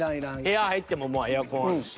部屋入ってもエアコンあるし。